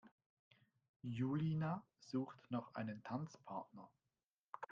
Julina sucht noch einen Tanzpartner.